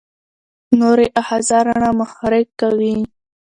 نوري آخذه رڼا محرک کوي.